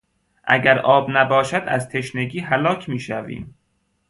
اگر آب نباشد از تشنگی هلاک میشویم.